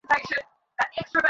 তার কাছে বন্দুক ছিল জানো?